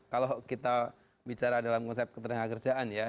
kalau kita bicara dalam konsep ketenangan kerjaan ya